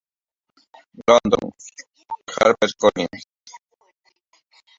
London: Harper Collins.